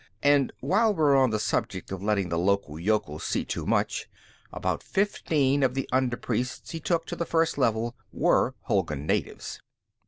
And while we're on the subject of letting the local yokels see too much, about fifteen of the under priests he took to the First Level were Hulgun natives."